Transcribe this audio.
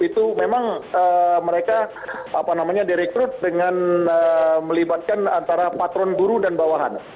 itu memang mereka apa namanya direkrut dengan melibatkan antara patron guru dan bawahan